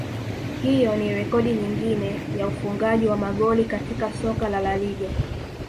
Hiyo ni rekodi nyingine ya ufungaji wa magoli katika soka la LaLiga